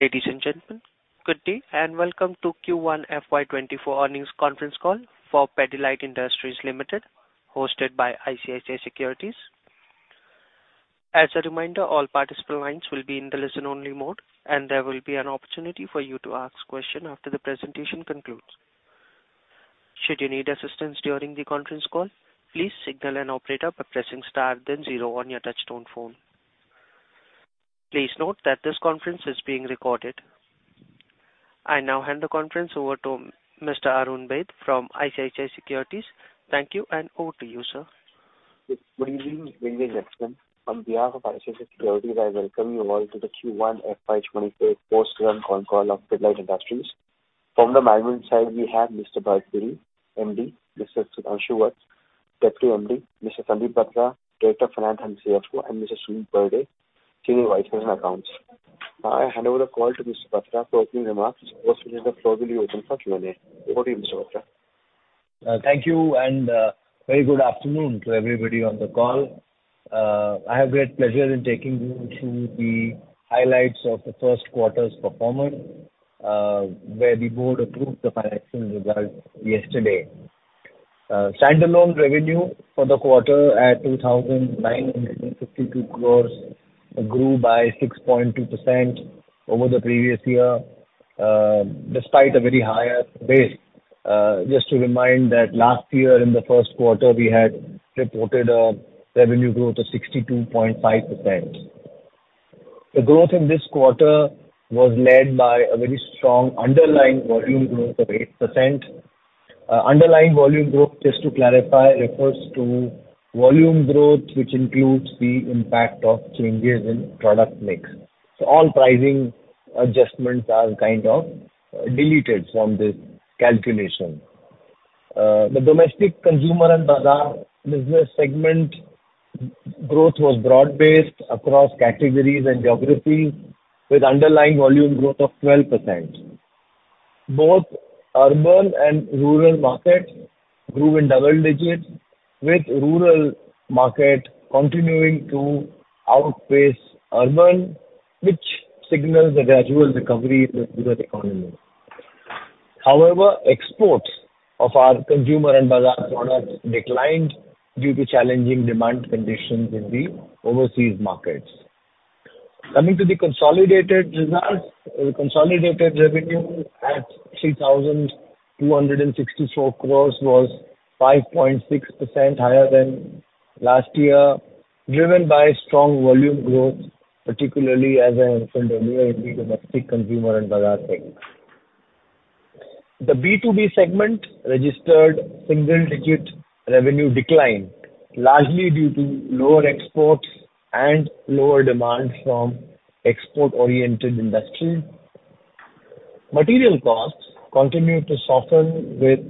Ladies and gentlemen, good day, and welcome to Q1 FY 2024 earnings conference call for Pidilite Industries Limited, hosted by ICICI Securities. As a reminder, all participant lines will be in the listen-only mode, and there will be an opportunity for you to ask questions after the presentation concludes. Should you need assistance during the conference call, please signal an operator by pressing star then zero on your touchtone phone. Please note that this conference is being recorded. I now hand the conference over to Mr. Arun Vaid from ICICI Securities. Thank you, and over to you, sir. Good evening, ladies and gentlemen. On behalf of ICICI Securities, I welcome you all to the Q1 FY 2024 post-run conference call of Pidilite Industries. From the management side, we have Mr. Bharat Puri, MD; Mr. Sudhanshu Vats, Deputy MD; Mr. Sandeep Batra, Director of Finance and CFO; and Mr. Sunil Poddar, Senior Vice President Accounts. I hand over the call to Mr. Batra for opening remarks, after which the floor will be open for Q&A. Over to you, Mr. Batra. Thank you, and very good afternoon to everybody on the call. I have great pleasure in taking you through the highlights of the first quarter's performance, where the board approved the financial results yesterday. Standalone revenue for the quarter at 2,952 crore, grew by 6.2% over the previous year, despite a very higher base. Just to remind that last year in the first quarter, we had reported a revenue growth of 62.5%. The growth in this quarter was led by a very strong underlying volume growth of 8%. Underlying volume growth, just to clarify, refers to volume growth, which includes the impact of changes in product mix. All pricing adjustments are kind of deleted from this calculation. The domestic consumer and bazaar business segment growth was broad-based across categories and geographies, with underlying volume growth of 12%. Both urban and rural markets grew in double digits, with rural market continuing to outpace urban, which signals a gradual recovery in the rural economy. However, exports of our consumer and bazaar products declined due to challenging demand conditions in the overseas markets. Coming to the consolidated results, the consolidated revenue at 3,264 crore was 5.6% higher than last year, driven by strong volume growth, particularly, as I mentioned earlier, in the domestic consumer and bazaar segment. The B2B segment registered single-digit revenue decline, largely due to lower exports and lower demand from export-oriented industries. Material costs continued to soften with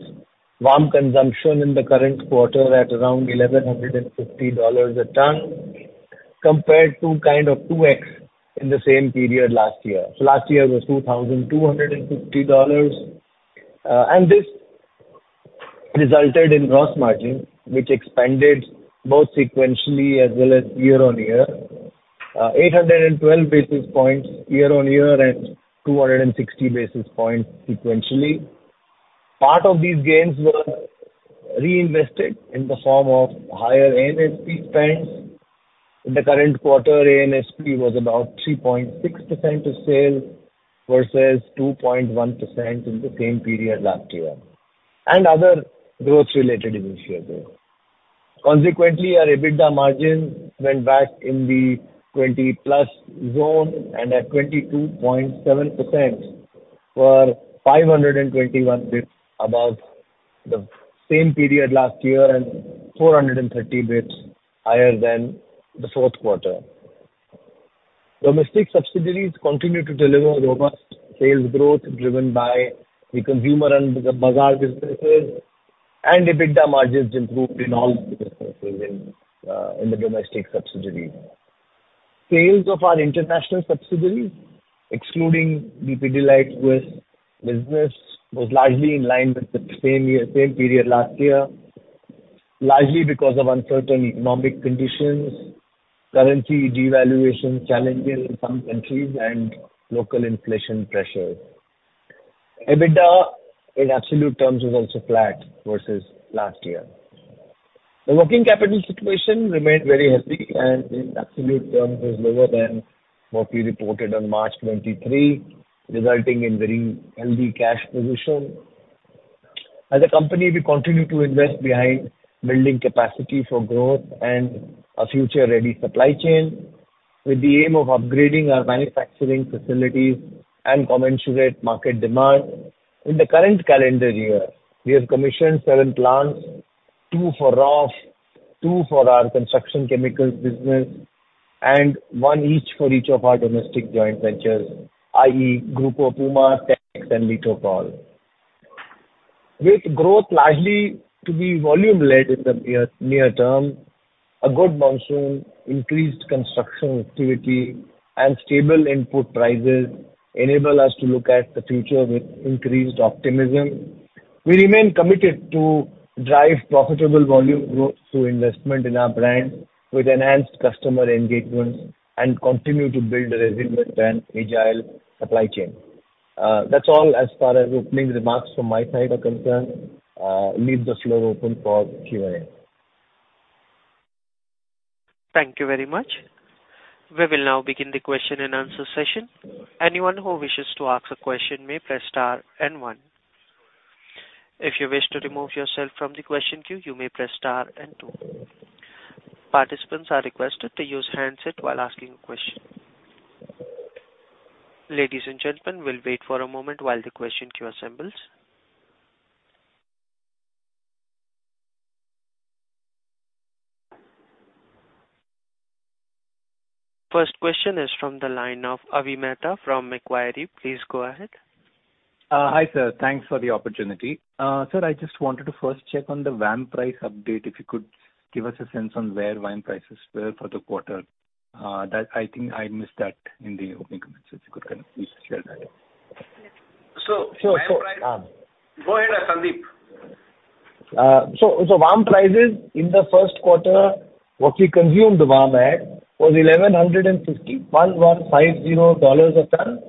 VAM consumption in the current quarter at around $1,150 a ton, compared to kind of 2x in the same period last year. Last year was $2,250. This resulted in gross margin, which expanded both sequentially as well as year-on-year. 812 basis points year-on-year and 260 basis points sequentially. Part of these gains were reinvested in the form of higher A&SP spends. In the current quarter, A&SP was about 3.6% of sale versus 2.1% in the same period last year, and other growth-related initiatives. Consequently, our EBITDA margin went back in the 20+ zone and at 22.7% for 521 bits above the same period last year, and 430 bits higher than the fourth quarter. Domestic subsidiaries continued to deliver robust sales growth, driven by the Consumer and the Bazaar businesses. EBITDA margins improved in all businesses in the domestic subsidiaries. Sales of our international subsidiaries, excluding the Pidilite West business, was largely in line with the same year, same period last year, largely because of uncertain economic conditions, currency devaluation challenges in some countries, and local inflation pressures. EBITDA in absolute terms was also flat versus last year. The working capital situation remained very healthy and in absolute terms was lower than what we reported on March 23, resulting in very healthy cash position. As a company, we continue to invest behind building capacity for growth and a future-ready supply chain with the aim of upgrading our manufacturing facilities and commensurate market demand. In the current calendar year, we have commissioned seven plants, two for Roff, two for our construction chemicals business, and one each for each of our domestic joint ventures, i.e., Grupo Puma, Tek and Litokol. With growth largely to be volume-led in the near, near term, a good monsoon, increased construction activity and stable input prices enable us to look at the future with increased optimism.... We remain committed to drive profitable volume growth through investment in our brand, with enhanced customer engagements and continue to build a resilient and agile supply chain. That's all as far as opening remarks from my side are concerned. Leave the floor open for Q&A. Thank you very much. We will now begin the question and answer session. Anyone who wishes to ask a question may press star and one. If you wish to remove yourself from the question queue, you may press star and two. Participants are requested to use handset while asking a question. Ladies and gentlemen, we will wait for a moment while the question queue assembles. First question is from the line of Avi Mehta from Macquarie. Please go ahead. Hi, sir. Thanks for the opportunity. Sir, I just wanted to first check on the VAM price update. If you could give us a sense on where VAM prices were for the quarter? That I think I missed that in the opening comments, if you could kind of please share that. Go ahead, Sandeep. VAM prices in the first quarter, what we consumed VAM at, was $1,150, $1,150 a ton,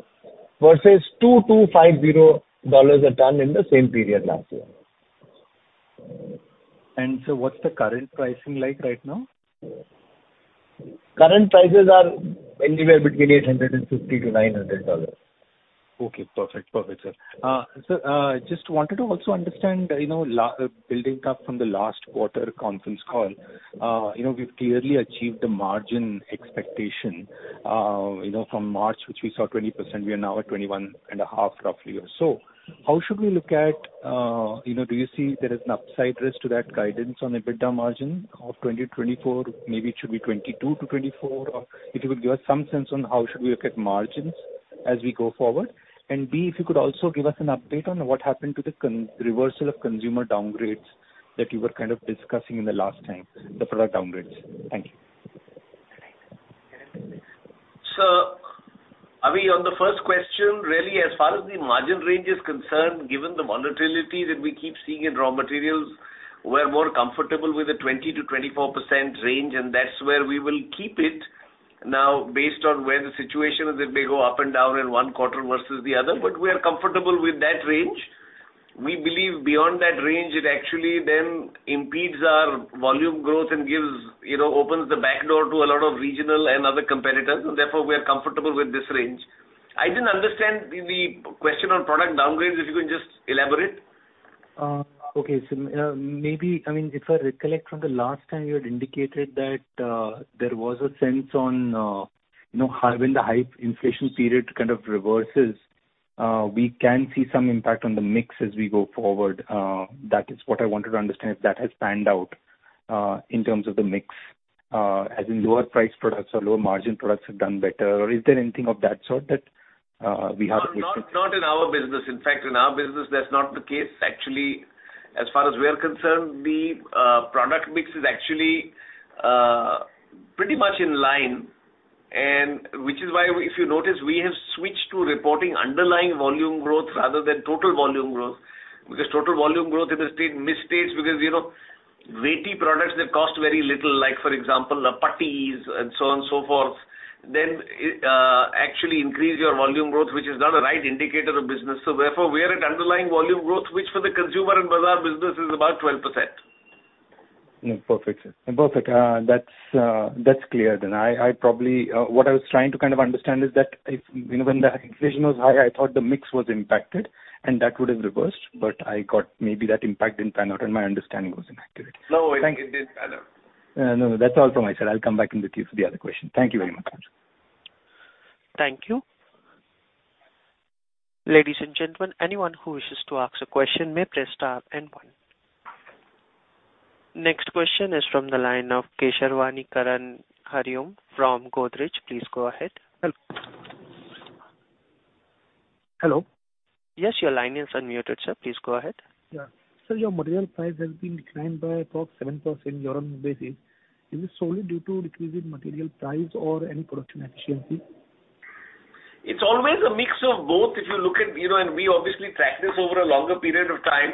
versus $2,250 a ton in the same period last year. So what's the current pricing like right now? Current prices are anywhere between $850-$900. Okay, perfect. Perfect, sir. Sir, just wanted to also understand, you know, building up from the last quarter conference call. You know, we've clearly achieved the margin expectation, you know, from March, which we saw 20%, we are now at 21.5%, roughly or so. How should we look at, you know, do you see there is an upside risk to that guidance on EBITDA margin of 20%-24%? Maybe it should be 22%-24%, or if you could give us some sense on how should we look at margins as we go forward? And B, if you could also give us an update on what happened to the reversal of consumer downgrades that you were kind of discussing in the last time, the product downgrades. Thank you. Avi, on the first question, really, as far as the margin range is concerned, given the volatility that we keep seeing in raw materials, we're more comfortable with the 20%-24% range, and that's where we will keep it. Based on where the situation is, it may go up and down in one quarter versus the other, but we are comfortable with that range. We believe beyond that range, it actually then impedes our volume growth and gives... You know, opens the back door to a lot of regional and other competitors, and therefore, we are comfortable with this range. I didn't understand the, the question on product downgrades. If you can just elaborate. Okay. maybe, I mean, if I recollect from the last time, you had indicated that, there was a sense on, you know, when the high inflation period kind of reverses, we can see some impact on the mix as we go forward. That is what I wanted to understand, if that has panned out, in terms of the mix, as in lower priced products or lower margin products have done better, or is there anything of that sort that, we have to look at? Not, not in our business. In fact, in our business, that's not the case. Actually, as far as we are concerned, the product mix is actually pretty much in line, which is why, if you notice, we have switched to reporting underlying volume growth rather than total volume growth. Total volume growth, it has been misstates because, you know, weighty products that cost very little, like for example, the putty and so on and so forth, then actually increase your volume growth, which is not a right indicator of business. Therefore, we are at underlying volume growth, which for the Consumer and Bazaar business is about 12%. Perfect, sir. Perfect. That's, that's clear. I, I probably, what I was trying to kind of understand is that if, you know, when the inflation was high, I thought the mix was impacted and that would have reversed, but I got maybe that impact didn't pan out, and my understanding was inaccurate. No, it, it did pan out. No, that's all from my side. I'll come back in with you for the other question. Thank you very much. Thank you. Ladies and gentlemen, anyone who wishes to ask a question may press star and one. Next question is from the line of Karan Keshwani from Godrej. Please go ahead. Hello? Yes, your line is unmuted, sir. Please go ahead. Yeah. Sir, your material price has been declined by about 7% year-on-year basis. Is this solely due to decrease in material price or any production efficiency? It's always a mix of both. If you look at, you know, and we obviously track this over a longer period of time,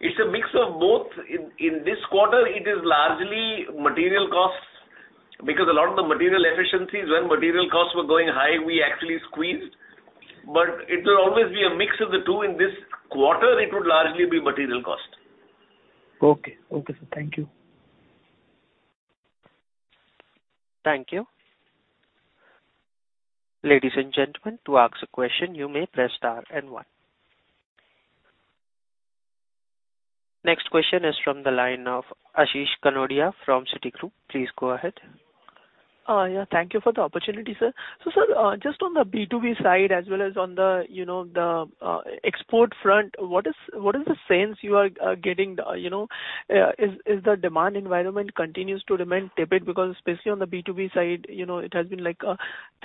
it's a mix of both. In, in this quarter, it is largely material costs, because a lot of the material efficiencies, when material costs were going high, we actually squeezed, but it will always be a mix of the two. In this quarter, it would largely be material cost. Okay. Okay, sir. Thank you. Thank you. Ladies and gentlemen, to ask a question, you may press star and one. Next question is from the line of Ashish Kanodia from Citigroup. Please go ahead. Yeah, thank you for the opportunity, sir. Sir, just on the B2B side, as well as on the, you know, the export front, what is, what is the sense you are getting, you know, is the demand environment continues to remain tepid? Especially on the B2B side, you know, it has been like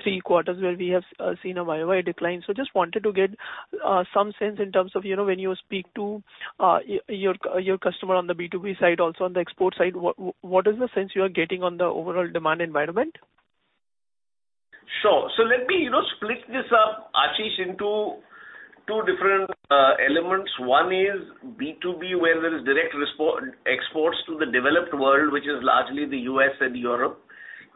three quarters where we have seen a YoY decline. Just wanted to get some sense in terms of, you know, when you speak to your, your customer on the B2B side, also on the export side, what, what is the sense you are getting on the overall demand environment? Sure. Let me, you know, split this up, Ashish, into two different elements. One is B2B, where there is direct exports to the developed world, which is largely the U.S. and Europe.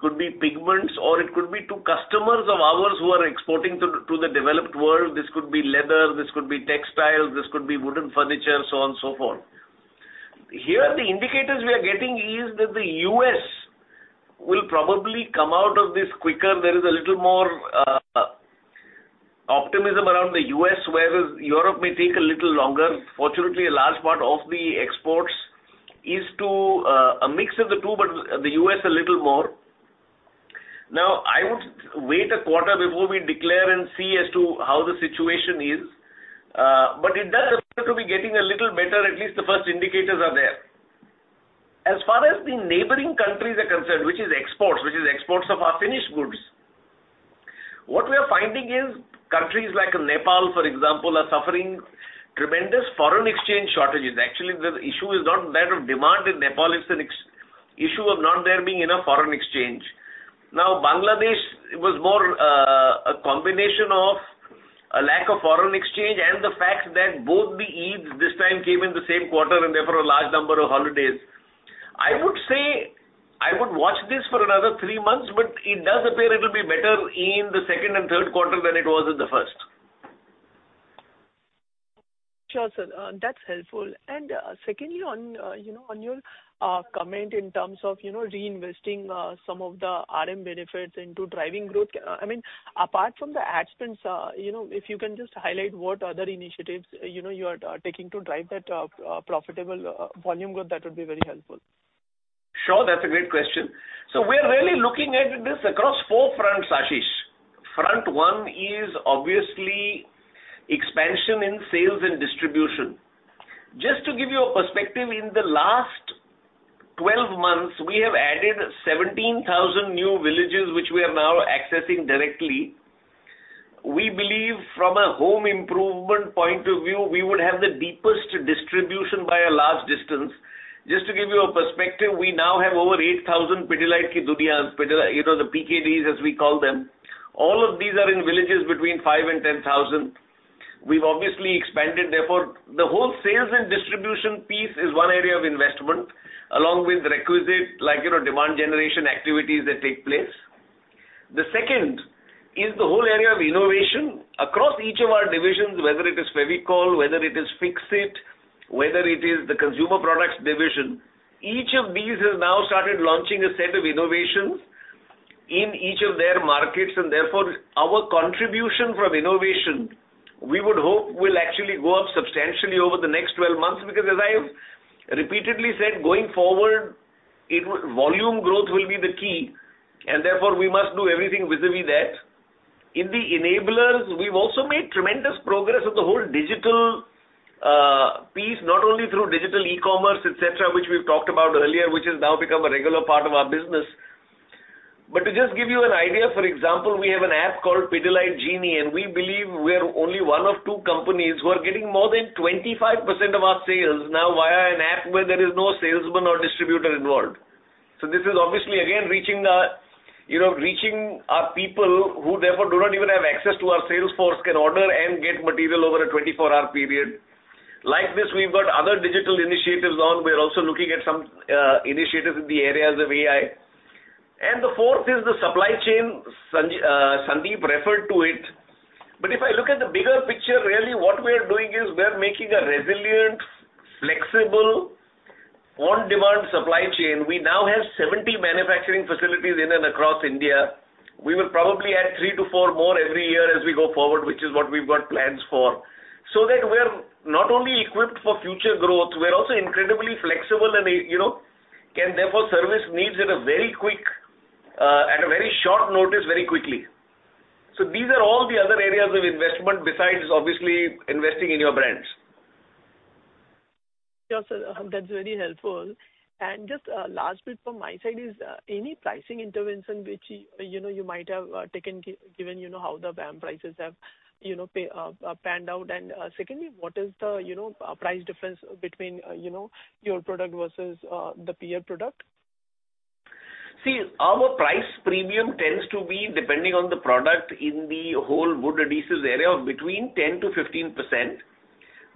Could be pigments, or it could be to customers of ours who are exporting to, to the developed world. This could be leather, this could be textiles, this could be wooden furniture, so on, so forth. Here, the indicators we are getting is that the U.S. will probably come out of this quicker. There is a little more optimism around the U.S., whereas Europe may take a little longer. Fortunately, a large part of the exports is to a mix of the two, but the U.S. a little more. I would wait a quarter before we declare and see as to how the situation is, but it does appear to be getting a little better. At least the first indicators are there. As far as the neighboring countries are concerned, which is exports, which is exports of our finished goods, what we are finding is countries like Nepal, for example, are suffering tremendous foreign exchange shortages. Actually, the issue is not that of demand in Nepal, it's an issue of not there being enough foreign exchange. Bangladesh, it was more, a combination of a lack of foreign exchange and the fact that both the Eids this time came in the same quarter, and therefore a large number of holidays. I would say, I would watch this for another three months, but it does appear it will be better in the second and third quarter than it was in the first. Sure, sir. That's helpful. Secondly, on, you know, on your, comment in terms of, you know, reinvesting, some of the RM benefits into driving growth. I mean, apart from the ad spends, you know, if you can just highlight what other initiatives, you know, you are, taking to drive that, profitable, volume growth, that would be very helpful. That's a great question. We're really looking at this across four fronts, Ashish. Front one is obviously expansion in sales and distribution. Just to give you a perspective, in the last 12 months, we have added 17,000 new villages, which we are now accessing directly. We believe from a home improvement point of view, we would have the deepest distribution by a large distance. Just to give you a perspective, we now have over 8,000 Pidilite ki Dunias, Pidilite, you know, the PKD as we call them. All of these are in villages between 5,000 and 10,000. We've obviously expanded, therefore, the whole sales and distribution piece is 1 area of investment, along with the requisite, you know, demand generation activities that take place. The second is the whole area of innovation across each of our divisions, whether it is Fevicol, whether it is Fixit, whether it is the consumer products division. Each of these has now started launching a set of innovations in each of their markets. Therefore, our contribution from innovation, we would hope, will actually go up substantially over the next 12 months, because as I have repeatedly said, going forward, volume growth will be the key. Therefore, we must do everything vis-a-vis that. In the enablers, we've also made tremendous progress with the whole digital piece, not only through digital e-commerce, et cetera, which we've talked about earlier, which has now become a regular part of our business. To just give you an idea, for example, we have an app called Pidilite Genie, and we believe we are only one of two companies who are getting more than 25% of our sales now via an app where there is no salesman or distributor involved. This is obviously, again, reaching, you know, reaching our people who therefore do not even have access to our sales force, can order and get material over a 24-hour period. Like this, we've got other digital initiatives on. We're also looking at some initiatives in the areas of AI. The fourth is the supply chain, Sandeep referred to it. If I look at the bigger picture, really what we are doing is we are making a resilient, flexible, on-demand supply chain. We now have 70 manufacturing facilities in and across India. We will probably add three to four more every year as we go forward, which is what we've got plans for. That we're not only equipped for future growth, we're also incredibly flexible and, you know, can therefore service needs at a very quick, at a very short notice, very quickly. These are all the other areas of investment besides obviously investing in your brands. Yeah, sir, that's very helpful. Just, last bit from my side is, any pricing intervention which, you know, you might have, taken, given, you know, how the VAM prices have, you know, panned out? Secondly, what is the, you know, price difference between, you know, your product versus, the peer product? See, our price premium tends to be depending on the product in the whole wood adhesives area of between 10%-15%.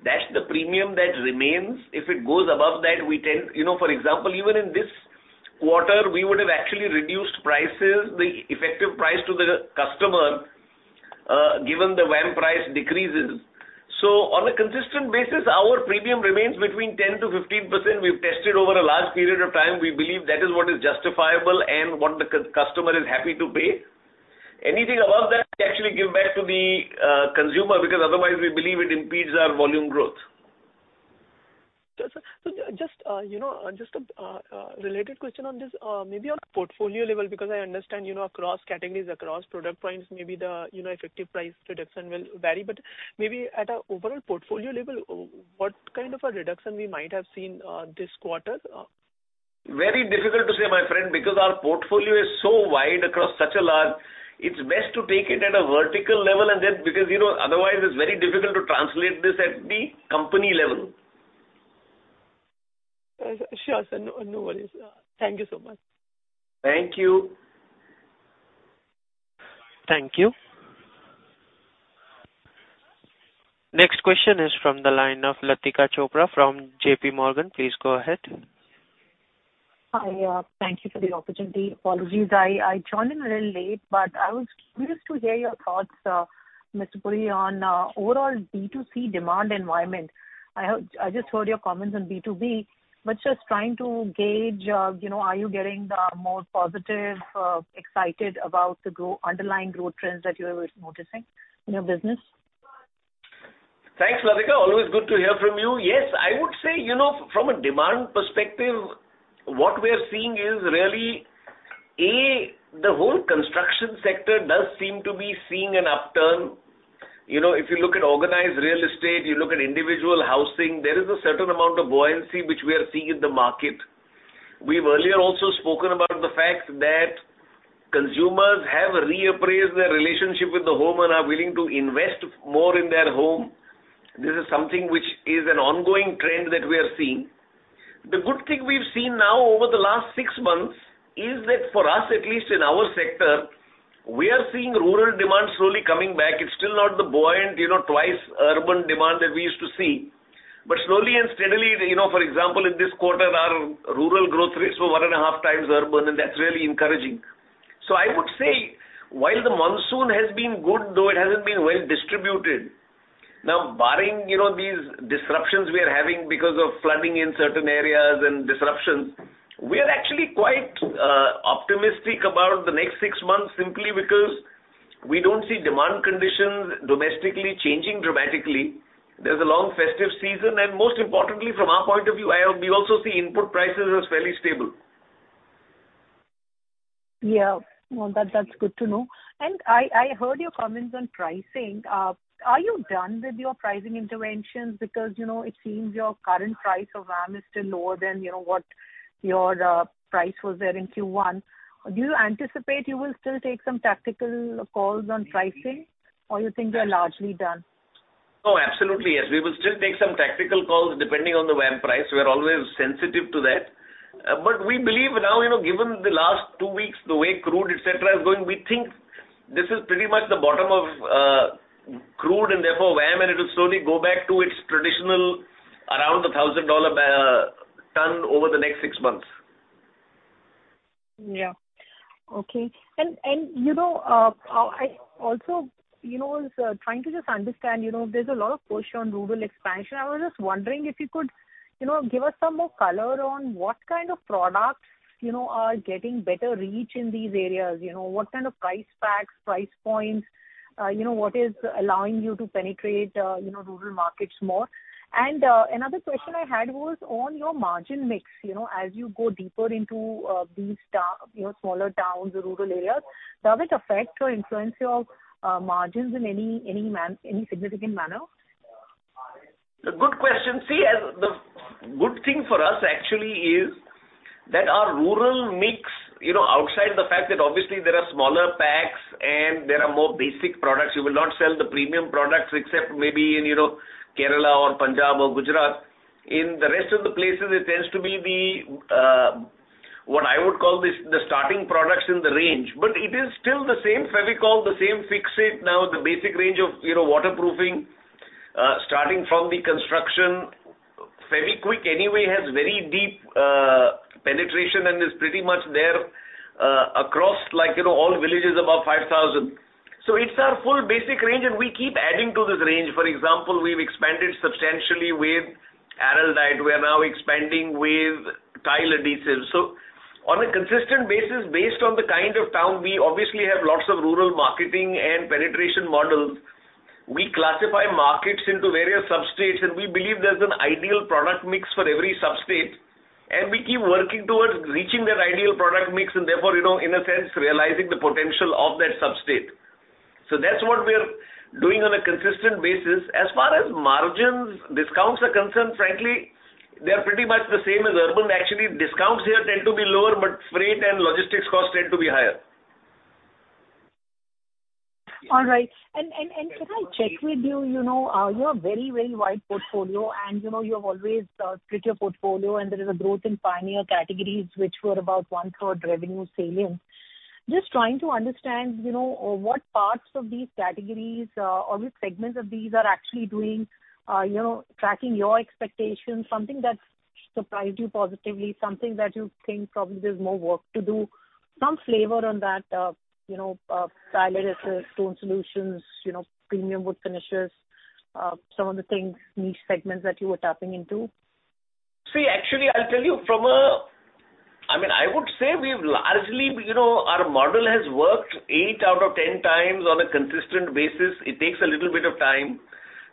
That's the premium that remains. If it goes above that, we tend... You know, for example, even in this quarter, we would have actually reduced prices, the effective price to the customer, given the VAM price decreases. So on a consistent basis, our premium remains between 10%-15%. We've tested over a large period of time. We believe that is what is justifiable and what the customer is happy to pay. Anything above that, we actually give back to the consumer, because otherwise we believe it impedes our volume growth. Yes, sir. Just, you know, just a related question on this, maybe on a portfolio level, because I understand, you know, across categories, across product points, maybe the, you know, effective price reduction will vary. Maybe at a overall portfolio level, what kind of a reduction we might have seen this quarter? Very difficult to say, my friend, because our portfolio is so wide across such a large... It's best to take it at a vertical level, and then because, you know, otherwise it's very difficult to translate this at the company level. ... sure, sir. No, no worries. Thank you so much. Thank you. Thank you. Next question is from the line of Latika Chopra from JP Morgan. Please go ahead. I thank you for the opportunity. Apologies, I, I joined in a little late, but I was curious to hear your thoughts, Mr. Puri, on overall B2C demand environment. I just heard your comments on B2B, but just trying to gauge, you know, are you getting the more positive, excited about the underlying growth trends that you are noticing in your business? Thanks, Latika. Always good to hear from you. Yes, I would say, you know, from a demand perspective, what we are seeing is really, A, the whole construction sector does seem to be seeing an upturn. You know, if you look at organized real estate, you look at individual housing, there is a certain amount of buoyancy which we are seeing in the market. We've earlier also spoken about the fact that consumers have reappraised their relationship with the home and are willing to invest more in their home. This is something which is an ongoing trend that we are seeing. The good thing we've seen now over the last six months is that for us, at least in our sector, we are seeing rural demand slowly coming back. It's still not the buoyant, you know, twice urban demand that we used to see. Slowly and steadily, you know, for example, in this quarter, our rural growth rates were 1.5x urban, and that's really encouraging. I would say, while the monsoon has been good, though it hasn't been well distributed, now barring, you know, these disruptions we are having because of flooding in certain areas and disruptions, we are actually quite optimistic about the next six months, simply because we don't see demand conditions domestically changing dramatically. There's a long festive season, and most importantly, from our point of view, we also see input prices as fairly stable. Yeah. Well, that, that's good to know. I, I heard your comments on pricing. Are you done with your pricing interventions? Because, you know, it seems your current price of VAM is still lower than, you know, what your price was there in Q1. Do you anticipate you will still take some tactical calls on pricing, or you think you are largely done? Oh, absolutely, yes. We will still take some tactical calls depending on the VAM price. We are always sensitive to that. We believe now, you know, given the last two weeks, the way crude, et cetera, is going, we think this is pretty much the bottom of crude and therefore, VAM, and it will slowly go back to its traditional around the $1,000 bar, ton over the next six months. Yeah. Okay. And, you know, I, I also, you know, was trying to just understand, you know, there's a lot of push on rural expansion. I was just wondering if you could, you know, give us some more color on what kind of products, you know, are getting better reach in these areas. You know, what kind of price packs, price points, you know, what is allowing you to penetrate, you know, rural markets more? Another question I had was on your margin mix. You know, as you go deeper into these, you know, smaller towns or rural areas, does it affect or influence your margins in any, any significant manner? A good question. As the good thing for us actually is that our rural mix, you know, outside the fact that obviously there are smaller packs and there are more basic products, you will not sell the premium products except maybe in, you know, Kerala or Punjab or Gujarat. In the rest of the places, it tends to be the what I would call this, the starting products in the range. It is still the same Fevicol, the same Fixit. The basic range of, you know, waterproofing, starting from the construction. Fevikwik anyway, has very deep penetration and is pretty much there across, like, you know, all villages above 5,000. It's our full basic range, and we keep adding to this range. For example, we've expanded substantially with Araldite. We are now expanding with tile adhesives. On a consistent basis, based on the kind of town, we obviously have lots of rural marketing and penetration models. We classify markets into various substates, and we believe there's an ideal product mix for every substate, and we keep working towards reaching that ideal product mix and therefore, you know, in a sense, realizing the potential of that substate. That's what we are doing on a consistent basis. As far as margins discounts are concerned, frankly, they are pretty much the same as urban. Actually, discounts here tend to be lower, but freight and logistics costs tend to be higher. All right. Can I check with you, you know, you have very, very wide portfolio and, you know, you have always, split your portfolio and there is a growth in Pioneer categories, which were about 1/3 revenue salient, just trying to understand, you know, what parts of these categories, or which segments of these are actually doing, you know, tracking your expectations, something that's surprised you positively, something that you think probably there's more work to do, some flavor on that, you know, tile adhesives, stone solutions, you know, premium wood finishes, some of the things, niche segments that you are tapping into? See, actually, I'll tell you from a... I mean, I would say we've largely, you know, our model has worked 8x out of 10x on a consistent basis. It takes a little bit of time.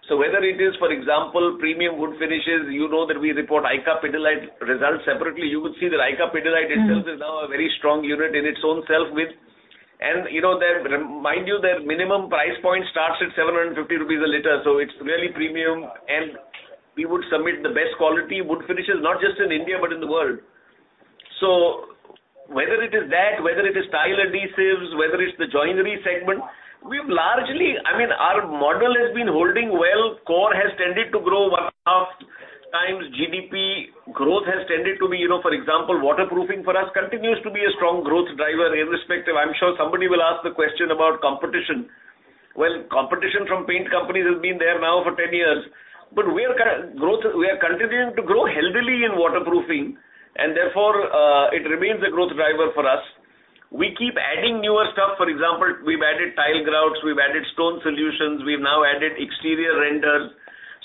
Whether it is, for example, premium wood finishes, you know that we report ICA Pidilite results separately. You would see that ICA Pidilite itself. Mm. is now a very strong unit in its own self with... You know, their, mind you, their minimum price point starts at 750 rupees a liter. It's really premium, and we would submit the best quality wood finishes, not just in India, but in the world... Is that, whether it is tile adhesives, whether it's the joinery segment, we've largely, I mean, our model has been holding well. Core has tended to grow 1.5x GDP. Growth has tended to be, you know, for example, waterproofing for us continues to be a strong growth driver, irrespective-- I'm sure somebody will ask the question about competition. Well, competition from paint companies has been there now for 10 years, but we are kind of growth-- we are continuing to grow healthily in waterproofing, and therefore, it remains a growth driver for us. We keep adding newer stuff. For example, we've added tile grouts, we've added stone solutions, we've now added exterior renders.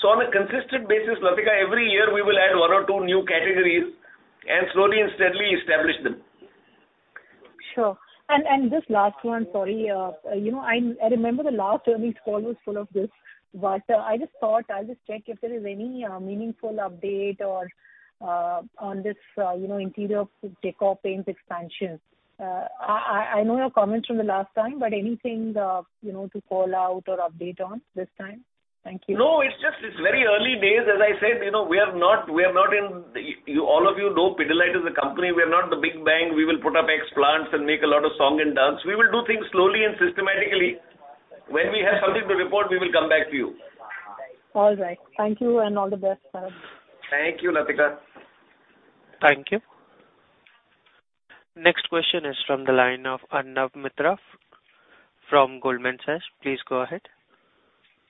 On a consistent basis, Latika, every year we will add one or two new categories and slowly and steadily establish them. Sure. This last one, sorry, you know, I, I remember the last earnings call was full of this, but, I just thought I'll just check if there is any meaningful update or on this, you know, interior decor paints expansion. I, I, I know your comments from the last time, but anything, you know, to call out or update on this time? Thank you. No, it's just, it's very early days. As I said, you know, we are not, we are not in. You, all of you know Pidilite is a company. We are not the big bang. We will put up X plants and make a lot of song and dance. We will do things slowly and systematically. When we have something to report, we will come back to you. All right. Thank you and all the best, sir. Thank you, Latika. Thank you. Next question is from the line of Arnab Mitra from Goldman Sachs. Please go ahead.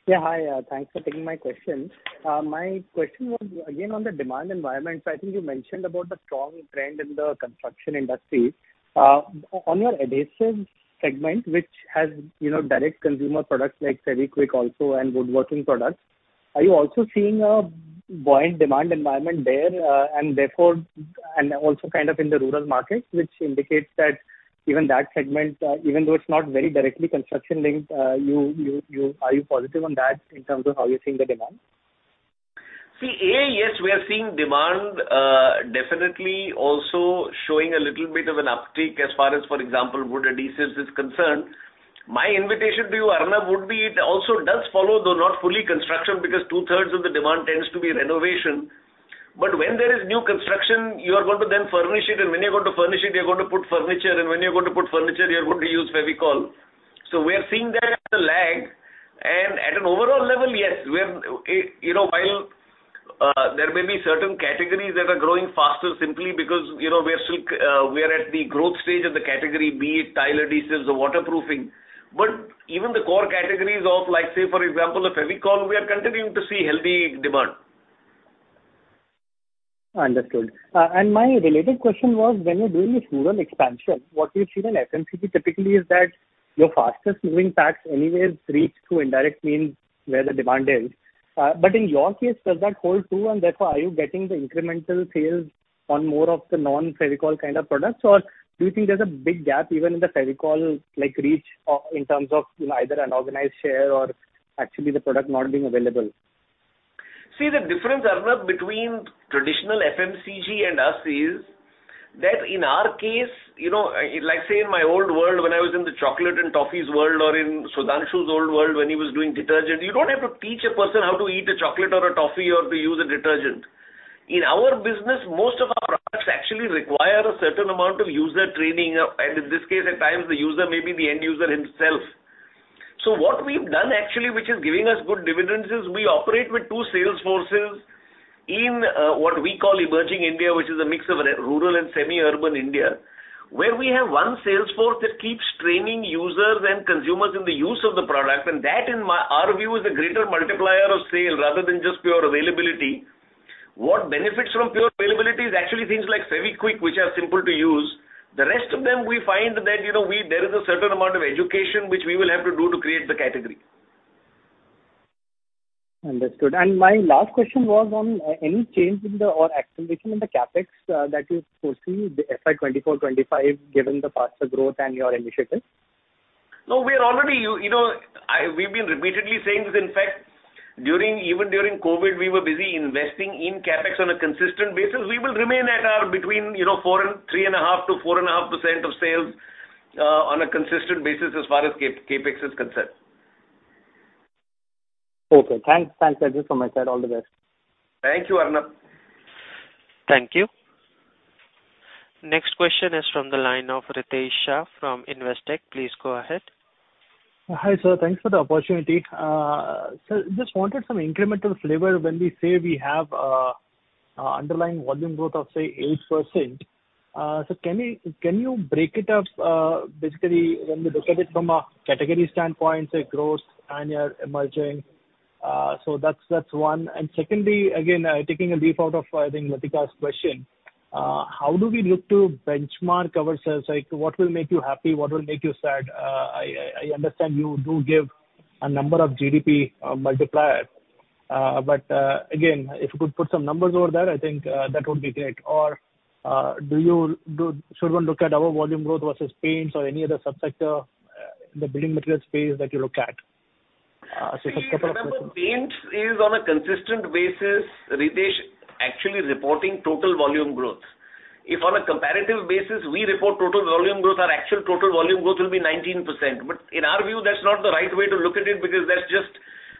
Yeah, hi. Thanks for taking my question. My question was again on the demand environment. I think you mentioned about the strong trend in the construction industry. On your adhesives segment, which has, you know, direct consumer products like Fevikwik also and woodworking products, are you also seeing a buoyant demand environment there, and also kind of in the rural markets, which indicates that even that segment, even though it's not very directly construction linked, are you positive on that in terms of how you're seeing the demand? A, yes, we are seeing demand, definitely also showing a little bit of an uptick as far as, for example, wood adhesives is concerned. My invitation to you, Arnab, would be it also does follow, though not fully construction, because two-thirds of the demand tends to be renovation. When there is new construction, you are going to then furnish it, and when you're going to furnish it, you're going to put furniture, and when you're going to put furniture, you're going to use Fevicol. We are seeing that as a lag, and at an overall level, yes, we are, you know, while there may be certain categories that are growing faster simply because, you know, we are still, we are at the growth stage of the category, be it tile adhesives or waterproofing. Even the core categories of, like, say, for example, a Fevicol, we are continuing to see healthy demand. Understood. My related question was, when you're doing this rural expansion, what we've seen in FMCG typically is that your fastest moving packs anywhere reach through indirect means where the demand is. In your case, does that hold true, and therefore, are you getting the incremental sales on more of the non-Fevicol kind of products? Do you think there's a big gap even in the Fevicol, like, reach, in terms of, you know, either unorganized share or actually the product not being available? See, the difference, Arnab, between traditional FMCG and us is that in our case, you know, like, say, in my old world, when I was in the chocolate and toffees world, or in Sudhanshu's old world, when he was doing detergent, you don't have to teach a person how to eat a chocolate or a toffee or to use a detergent. In our business, most of our products actually require a certain amount of user training, and in this case, at times, the user may be the end user himself. What we've done actually, which is giving us good dividends, is we operate with two sales forces in what we call emerging India, which is a mix of rural and semi-urban India, where we have one sales force that keeps training users and consumers in the use of the product, and that, in my-- our view, is a greater multiplier of sale rather than just pure availability. What benefits from pure availability is actually things like Fevikwik, which are simple to use. The rest of them, we find that, you know, we-- there is a certain amount of education which we will have to do to create the category. Understood. My last question was on any change in the, or acceleration in the CapEx, that you foresee the FY 2024, 2025, given the faster growth and your initiatives? No, we are already, you, you know, we've been repeatedly saying this. In fact, during, even during COVID, we were busy investing in CapEx on a consistent basis. We will remain at, between, you know, 4% and 3.5% to 4.5% of sales, on a consistent basis as far as CapEx is concerned. Okay. Thanks. Thanks, that's it from my side. All the best. Thank you, Arnab. Thank you. Next question is from the line of Ritesh Shah from Investec. Please go ahead. Hi, sir. Thanks for the opportunity. Sir, just wanted some incremental flavor when we say we have underlying volume growth of, say, 8%, so can you, can you break it up, basically, when we look at it from a category standpoint, say, growth and your emerging? That's, that's one. Secondly, again, taking a leaf out of, I think, Latika's question, how do we look to benchmark ourselves? Like, what will make you happy? What will make you sad? I, I understand you do give a number of GDP multiplier, but again, if you could put some numbers over there, I think, that would be great. Do you do- should one look at our volume growth versus paints or any other subsector in the building material space that you look at? Just a couple of questions. Remember, paints is on a consistent basis, Ritesh, actually reporting total volume growth. If on a comparative basis, we report total volume growth, our actual total volume growth will be 19%. In our view, that's not the right way to look at it, because that's just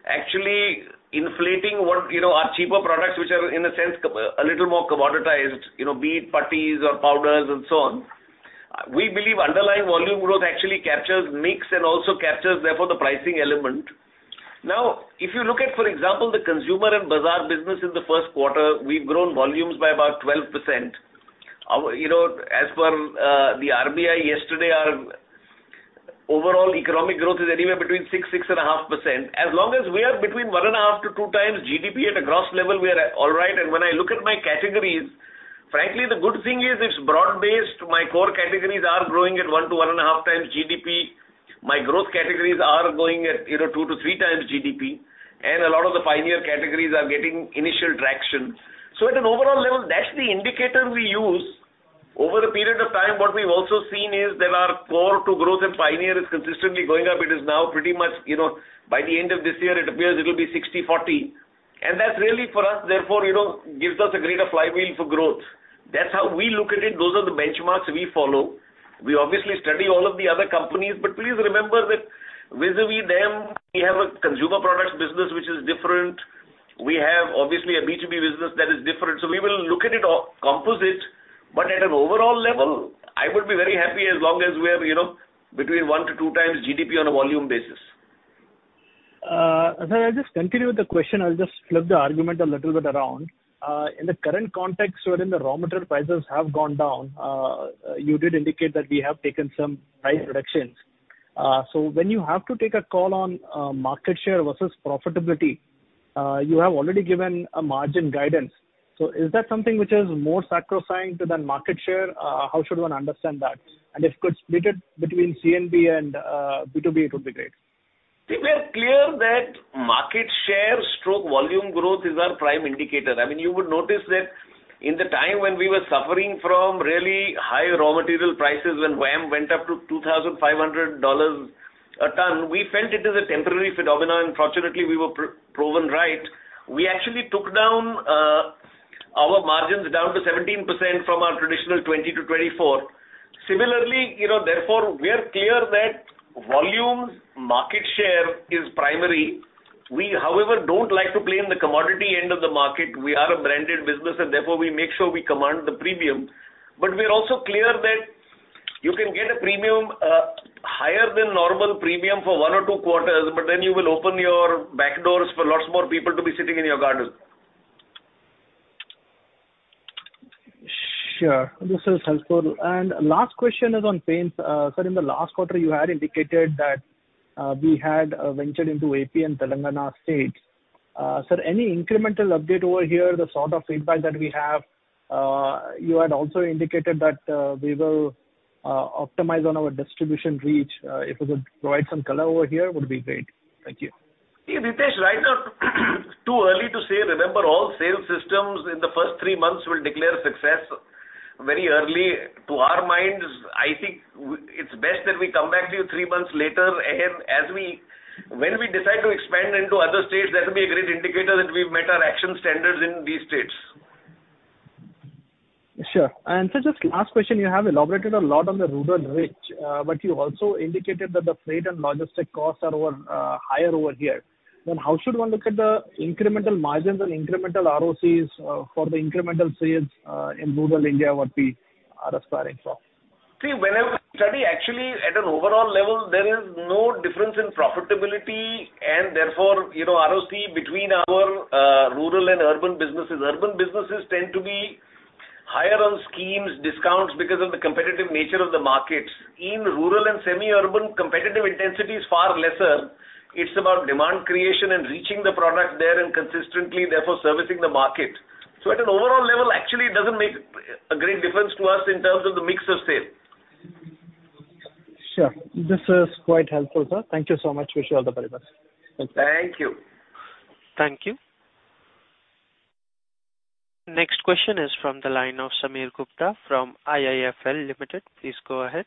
actually inflating what, you know, are cheaper products, which are, in a sense, a little more commoditized, you know, be it putty or powders and so on. We believe underlying volume growth actually captures mix and also captures, therefore, the pricing element. If you look at, for example, the C&B business in the first quarter, we've grown volumes by about 12%. Our, you know, as per the RBI yesterday, our overall economic growth is anywhere between 6%-6.5%. As long as we are between 1.5x-2x GDP at a gross level, we are all right. When I look at my categories, frankly, the good thing is it's broad-based. My core categories are growing at 1x-1.5x GDP. My growth categories are growing at, you know, 2x-3x GDP, and a lot of the pioneer categories are getting initial traction. So at an overall level, that's the indicator we use. Over a period of time, what we've also seen is that our core to growth and pioneer is consistently going up. It is now pretty much, you know, by the end of this year, it appears it'll be 60/40. That's really for us, therefore, you know, gives us a greater flywheel for growth. That's how we look at it. Those are the benchmarks we follow. We obviously study all of the other companies, but please remember that vis-à-vis them, we have a consumer products business, which is different. We have, obviously, a B2B business that is different. We will look at it all composite, but at an overall level, I would be very happy as long as we are, you know, between one to 2x GDP on a volume basis. Sir, I'll just continue with the question. I'll just flip the argument a little bit around. In the current context, wherein the raw material prices have gone down, you did indicate that we have taken some price reductions. When you have to take a call on market share versus profitability, you have already given a margin guidance. Is that something which is more sacrosanct than market share? How should one understand that? If could split it between C&B and B2B, it would be great. We are clear that market share/volume growth is our prime indicator. I mean, you would notice that in the time when we were suffering from really high raw material prices, when VAM went up to $2,500 a ton, we felt it is a temporary phenomenon, and fortunately, we were proven right. We actually took down our margins down to 17% from our traditional 20%-24%. Similarly, you know, therefore, we are clear that volume, market share is primary. We, however, don't like to play in the commodity end of the market. We are a branded business, and therefore, we make sure we command the premium. We are also clear that you can get a premium, higher than normal premium for one or two quarters, but then you will open your back doors for lots more people to be sitting in your garden. Sure, this is helpful. Last question is on paints. Sir, in the last quarter, you had indicated that we had ventured into AP and Telangana states. Sir, any incremental update over here, the sort of impact that we have? You had also indicated that we will optimize on our distribution reach. If you could provide some color over here, would be great. Thank you. Ritesh, right now, too early to say. Remember, all sales systems in the first 3 months will declare success very early. To our minds, I think it's best that we come back to you 3 months later, and when we decide to expand into other states, that will be a great indicator that we've met our action standards in these states. Sure. Just last question, you have elaborated a lot on the rural reach, but you also indicated that the freight and logistic costs are over, higher over here. How should one look at the incremental margins and incremental ROCs, for the incremental sales, in rural India, what we are aspiring for? See, whenever I study, actually, at an overall level, there is no difference in profitability and therefore, you know, ROC between our rural and urban businesses. Urban businesses tend to be higher on schemes, discounts because of the competitive nature of the market. In rural and semi-urban, competitive intensity is far lesser. It's about demand creation and reaching the product there and consistently, therefore, servicing the market. At an overall level, actually, it doesn't make a great difference to us in terms of the mix of sale. Sure. This is quite helpful, sir. Thank you so much. Wish you all the very best. Thank you. Thank you. Next question is from the line of Samir Gupta from IIFL Limited. Please go ahead.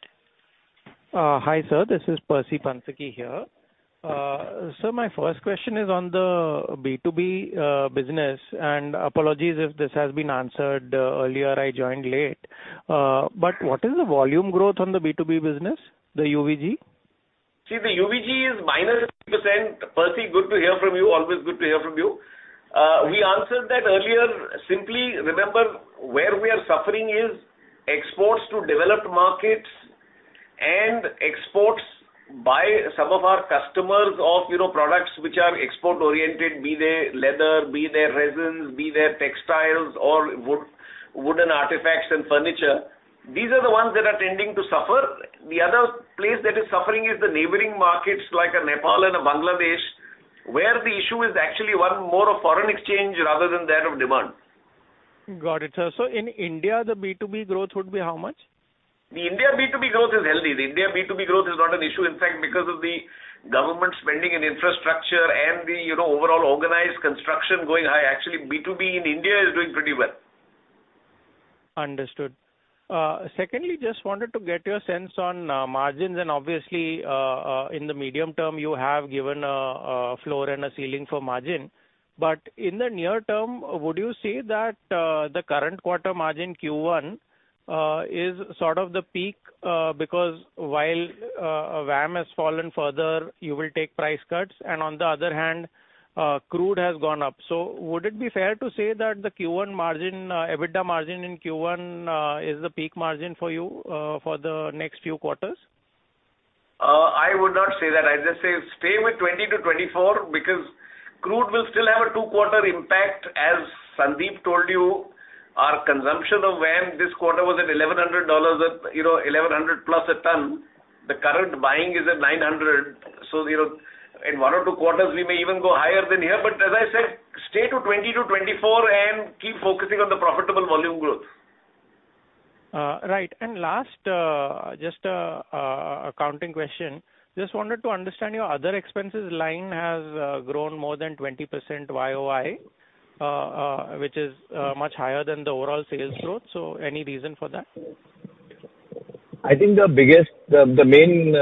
Hi, sir, this is Percy Panthaki here. Sir, my first question is on the B2B business, and apologies if this has been answered earlier, I joined late. What is the volume growth on the B2B business, the UVG? See, the UVG is minus 3%. Percy, good to hear from you. Always good to hear from you. We answered that earlier. Simply remember, where we are suffering is exports to developed markets and exports by some of our customers of, you know, products which are export-oriented, be they leather, be they resins, be they textiles or wooden artifacts and furniture. These are the ones that are tending to suffer. The other place that is suffering is the neighboring markets, like a Nepal and a Bangladesh, where the issue is actually one more of foreign exchange rather than that of demand. Got it, sir. In India, the B2B growth would be how much? The India B2B growth is healthy. The India B2B growth is not an issue, in fact, because of the government spending in infrastructure and the, you know, overall organized construction going high. Actually, B2B in India is doing pretty well. Understood. Secondly, just wanted to get your sense on margins, and obviously, in the medium term, you have given a floor and a ceiling for margin. In the near term, would you say that the current quarter margin, Q1, is sort of the peak? Because while VAM has fallen further, you will take price cuts, and on the other hand, crude has gone up. Would it be fair to say that the Q1 margin, EBITDA margin in Q1, is the peak margin for you for the next few quarters? I would not say that. I'd just say stay with 20-24, crude will still have a two-quarter impact. As Sandeep told you, our consumption of VAM this quarter was at $1,100, at, you know, $1,100+ a ton. The current buying is at $900, so you know, in one or two quarters, we may even go higher than here. As I said, stay to 20-24 and keep focusing on the profitable volume growth. Right. Last, just a accounting question. Just wanted to understand your other expenses line has grown more than 20% YoY, which is much higher than the overall sales growth. Any reason for that? I think the main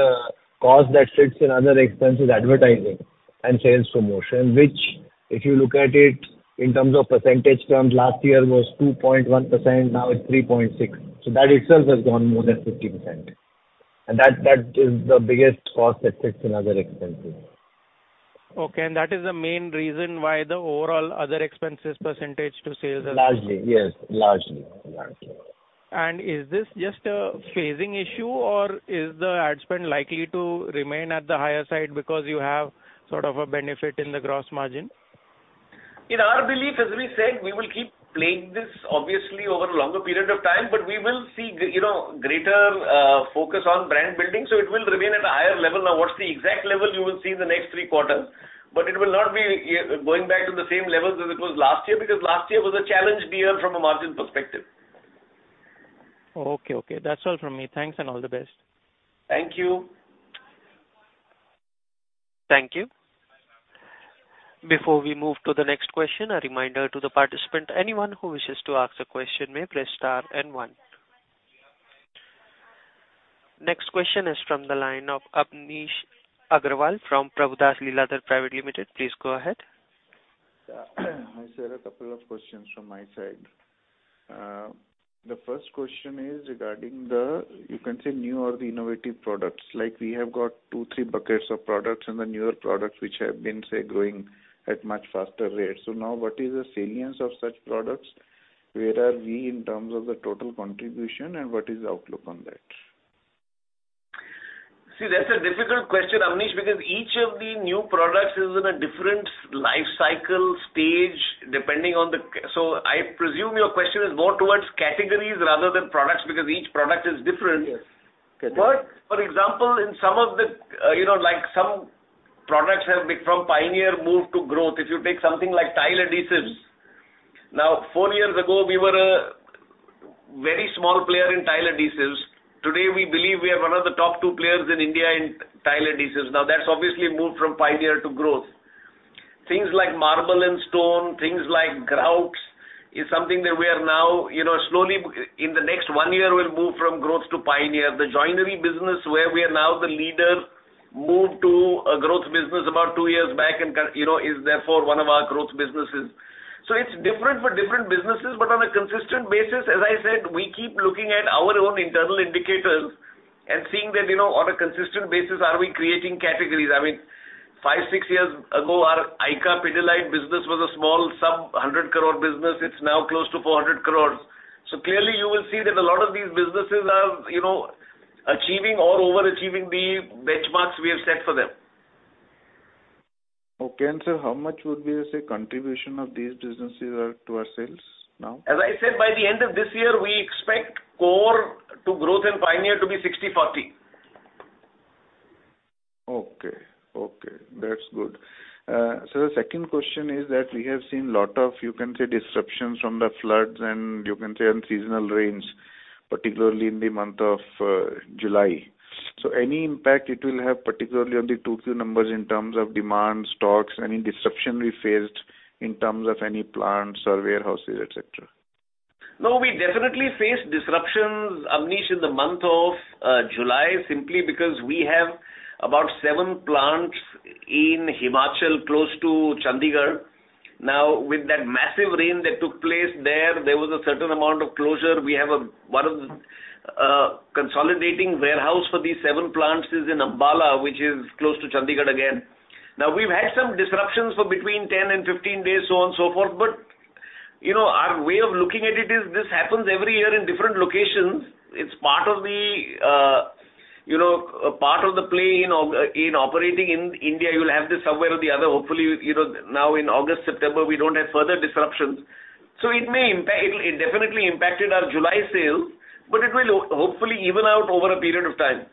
cause that sits in other expense is Advertising and Sales Promotion, which, if you look at it in terms of percentage terms, last year was 2.1%, now it's 3.6%. That itself has grown more than 50%. That, that is the biggest cost that sits in other expenses. Okay, that is the main reason why the overall other expenses percentage to sales are. Largely, yes. Largely, largely. Is this just a phasing issue, or is the ad spend likely to remain at the higher side because you have sort of a benefit in the gross margin? In our belief, as we said, we will keep playing this obviously over a longer period of time, but we will see you know, greater focus on brand building, so it will remain at a higher level. Now, what's the exact level? You will see in the next three quarters. It will not be going back to the same levels as it was last year, because last year was a challenged year from a margin perspective. Okay, okay. That's all from me. Thanks, and all the best. Thank you. Thank you. Before we move to the next question, a reminder to the participant, anyone who wishes to ask a question, may press star and one. Next question is from the line of Abneesh Roy from Edelweiss. Please go ahead. Hi, sir, a couple of questions from my side. The first question is regarding the, you can say, new or the innovative products. Like, we have got two, three buckets of products, and the newer products which have been, say, growing at much faster rates. Now what is the salience of such products? Where are we in terms of the total contribution, and what is the outlook on that? See, that's a difficult question, Abneesh, because each of the new products is in a different life cycle stage, depending on the... I presume your question is more towards categories rather than products, because each product is different. Yes. For example, in some of the, you know, like some products have been from pioneer move to growth. If you take something like tile adhesives, now, four years ago, we were a very small player in tile adhesives. Today, we believe we are one of the top two players in India in tile adhesives. Now, that's obviously moved from pioneer to growth. Things like marble and stone, things like grouts, is something that we are now, you know, slowly, in the next one year, will move from growth to pioneer. The joinery business, where we are now the leader, moved to a growth business about two years back and can, you know, is therefore one of our growth businesses. It's different for different businesses, but on a consistent basis, as I said, we keep looking at our own internal indicators and seeing that, you know, on a consistent basis, are we creating categories? I mean, five, six years ago, our ICA Pidilite business was a small, sub-INR 100 crore business. It's now close to 400 crore. Clearly, you will see that a lot of these businesses are, you know, achieving or overachieving the benchmarks we have set for them. Okay, sir, how much would be, say, contribution of these businesses, to our sales now? As I said, by the end of this year, we expect core to growth in pioneer to be 60/40. Okay, okay, that's good. The second question is that we have seen a lot of, you can say, disruptions from the floods and, you can say, unseasonal rains, particularly in the month of July. Any impact it will have, particularly on the two key numbers in terms of demand, stocks, any disruption we faced in terms of any plants or warehouses, et cetera? No, we definitely faced disruptions, Abneesh, in the month of July, simply because we have about seven plants in Himachal, close to Chandigarh. Now, with that massive rain that took place there, there was a certain amount of closure. We have one of the consolidating warehouse for these seven plants is in Ambala, which is close to Chandigarh again. Now, we've had some disruptions for between 10 and 15 days, so on and so forth, but, you know, our way of looking at it is this happens every year in different locations. It's part of the, you know, part of the play in operating in India. You'll have this somewhere or the other. Hopefully, you know, now in August, September, we don't have further disruptions. It may impact... It definitely impacted our July sales, but it will hopefully even out over a period of time.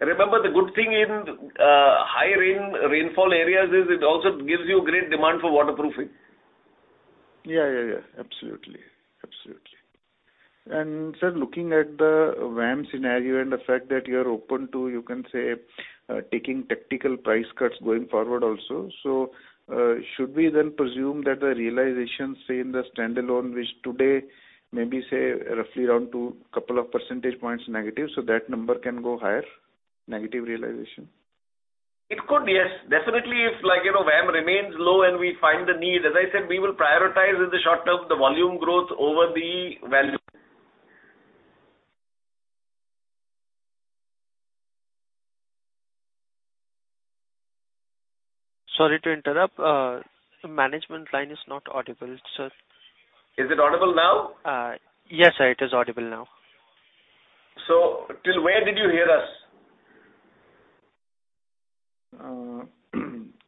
Remember, the good thing in high rainfall areas is it also gives you great demand for waterproofing. Yeah, yeah, yeah, absolutely. Absolutely. Sir, looking at the VAM scenario and the fact that you're open to, you can say, taking tactical price cuts going forward also, should we then presume that the realization, say, in the standalone, which today maybe say roughly around 2 percentage points negative, that number can go higher? Negative realization? It could, yes, definitely, if like, you know, VAM remains low and we find the need. As I said, we will prioritize in the short term, the volume growth over the value. Sorry to interrupt, the management line is not audible, sir. Is it audible now? Yes, sir, it is audible now. Until where did you hear us?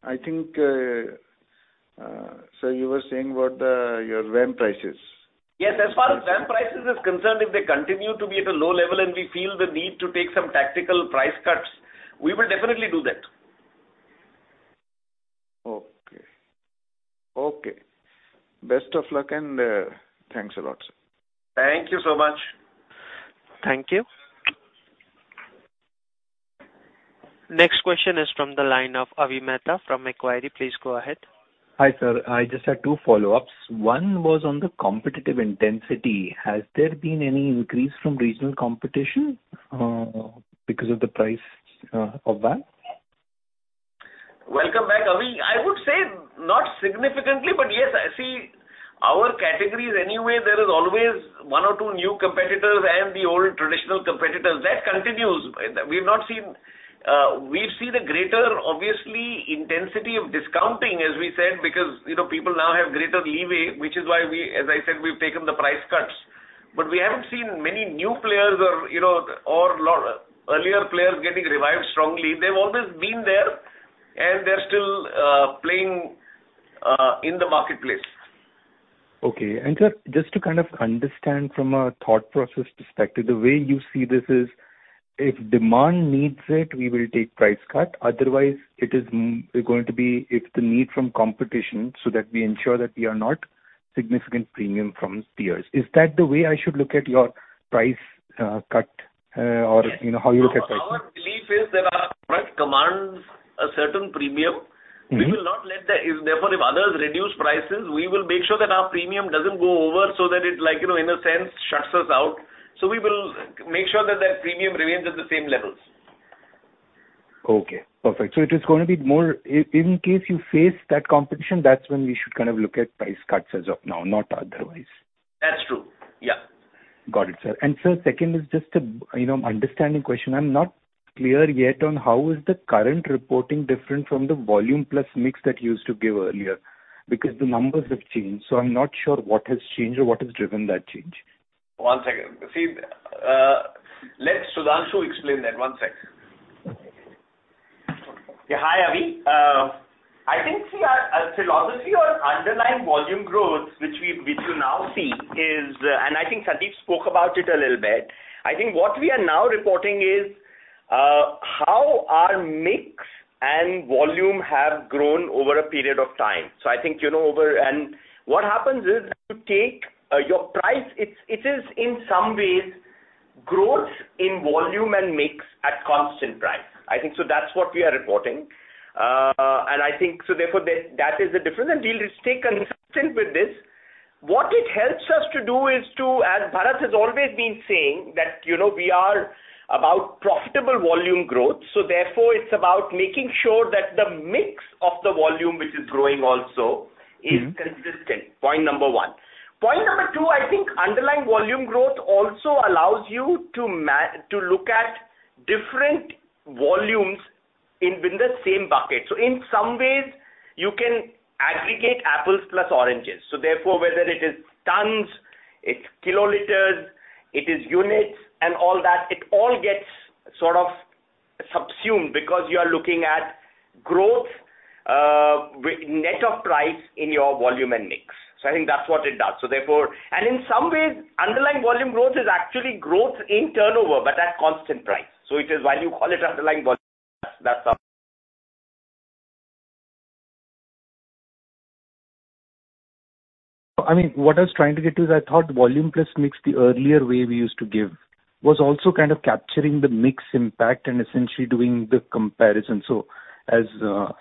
I think, you were saying about the, your VAM prices? As far as VAM prices is concerned, if they continue to be at a low level and we feel the need to take some tactical price cuts, we will definitely do that. Okay. Okay. Best of luck, and, thanks a lot, sir. Thank you so much. Thank you. Next question is from the line of Avi Mehta from Macquarie. Please go ahead. Hi, sir. I just had two follow-ups. One was on the competitive intensity. Has there been any increase from regional competition, because of the price, of VAM? Welcome back, Avi. I would say not significantly, but yes, I see our categories anyway, there is always one or two new competitors and the old traditional competitors. That continues. We've seen a greater, obviously, intensity of discounting, as we said, because, you know, people now have greater leeway, which is why we as I said, we've taken the price cuts, but we haven't seen many new players or, you know, or lot earlier players getting revived strongly. They've always been there, and they're still playing in the marketplace. Okay. Sir, just to kind of understand from a thought process perspective, the way you see this is, if demand needs it, we will take price cut. Otherwise, it is going to be, it's the need from competition so that we ensure that we are not significant premium from peers. Is that the way I should look at your price cut, or you know, how you look at price? Our belief is that our product commands a certain premium. Mm-hmm. Therefore, if others reduce prices, we will make sure that our premium doesn't go over so that it, like, you know, in a sense, shuts us out. We will make sure that, that premium remains at the same levels. Okay, perfect. It is going to be more... In case you face that competition, that's when we should kind of look at price cuts as of now, not otherwise. That's true. Yeah. Got it, sir. Sir, second is just a, you know, understanding question. I'm not clear yet on how is the current reporting different from the volume plus mix that you used to give earlier? The numbers have changed, so I'm not sure what has changed or what has driven that change. One second. See, let Sudhanshu explain that. One sec. Okay. Hi, Avi. I think, see, our, our philosophy on underlying volume growth, which we, which you now see is, and I think Sandeep spoke about it a little bit. I think what we are now reporting is how our mix and volume have grown over a period of time. I think, you know, over... What happens is, you take your price, it's, it is in some ways growth in volume and mix at constant price. I think that's what we are reporting. I think therefore, that, that is the difference, and we'll stay consistent with this. What it helps us to do is to, as Bharat has always been saying, that, you know, we are about profitable volume growth. Therefore, it's about making sure that the mix of the volume which is growing also- Mm-hmm. is consistent. Point number one. Point number two, I think Underlying Volume Growth also allows you to to look at different volumes in, in the same bucket. In some ways, you can aggregate apples plus oranges. Therefore, whether it is tons, it's kiloliters, it is units and all that, it all gets sort of subsumed because you are looking at growth with net of price in your volume and mix. I think that's what it does. Therefore... In some ways, Underlying Volume Growth is actually growth in turnover, but at constant price. It is why you call it underlying volume. That's, that's. I mean, what I was trying to get to is I thought volume plus mix, the earlier way we used to give, was also kind of capturing the mix impact and essentially doing the comparison. As, you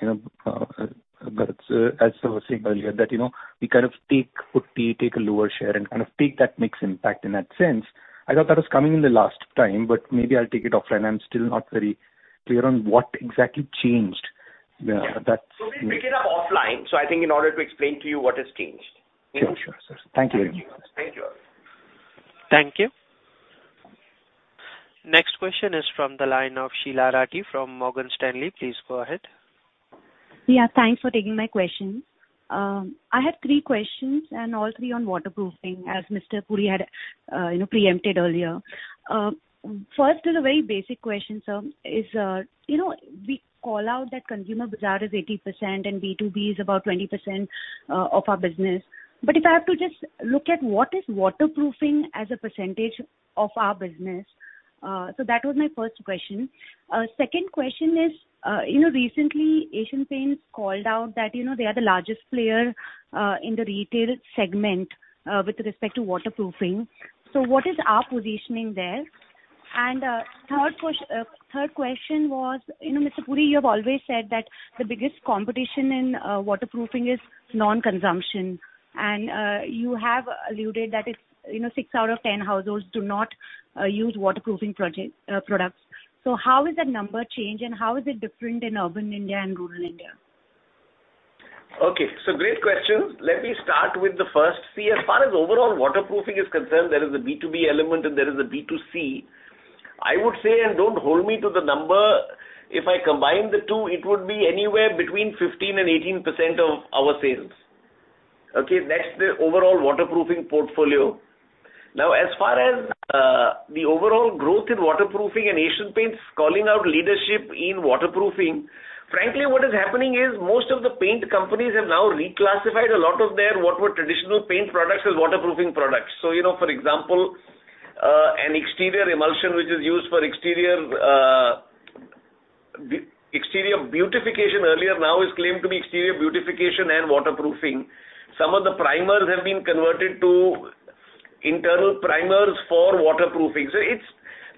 know, Bharat, as I was saying earlier, that, you know, we kind of take Putty, take a lower share and kind of take that mix impact in that sense. I thought that was coming in the last time, but maybe I'll take it offline. I'm still not very clear on what exactly changed. We'll pick it up offline, so I think in order to explain to you what has changed. Sure, sure, sir. Thank you. Thank you. Thank you. Next question is from the line of Sheela Rathi from Morgan Stanley. Please go ahead. Yeah, thanks for taking my question. I have three questions, and all three on waterproofing, as Mr. Puri had, you know, preempted earlier. First is a very basic question, sir, is, you know, we call out that Consumer Bazaar is 80% and B2B is about 20% of our business. If I have to just look at what is waterproofing as a percentage of our business, that was my first question. Second question is, you know, recently Asian Paints called out that, you know, they are the largest player in the retail segment with respect to waterproofing. What is our positioning there? Third question was, you know, Mr. Puri, you have always said that the biggest competition in waterproofing is non-consumption. You have alluded that it's, you know, six out of 10 households do not use waterproofing products. How is that number changed, and how is it different in urban India and rural India? Okay, great question. Let me start with the first. See, as far as overall waterproofing is concerned, there is a B2B element and there is a B2C. I would say, and don't hold me to the number, if I combine the two, it would be anywhere between 15%-18% of our sales. Okay, that's the overall waterproofing portfolio. Now, as far as the overall growth in waterproofing and Asian Paints calling out leadership in waterproofing, frankly, what is happening is most of the paint companies have now reclassified a lot of their what were traditional paint products as waterproofing products. You know, for example, an exterior emulsion, which is used for exterior, the exterior beautification earlier, now is claimed to be exterior beautification and waterproofing. Some of the primers have been converted to internal primers for waterproofing. It's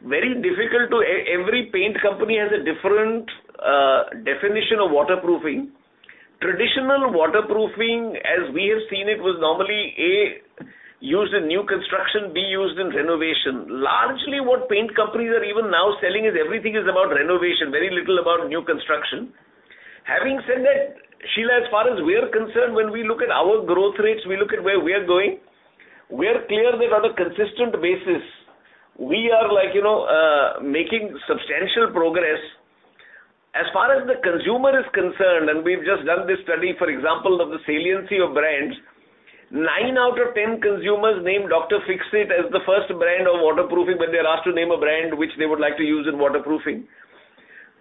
very difficult to-- e-every paint company has a different definition of waterproofing. Traditional waterproofing, as we have seen it, was normally, A, used in new construction, B, used in renovation. Largely, what paint companies are even now selling is everything is about renovation, very little about new construction. Having said that, Sheila, as far as we're concerned, when we look at our growth rates, we look at where we are going, we are clear that on a consistent basis, we are like, you know, making substantial progress. As far as the consumer is concerned, and we've just done this study, for example, of the saliency of brands, nine out of 10 consumers name Dr. Fixit as the first brand of waterproofing when they're asked to name a brand which they would like to use in waterproofing.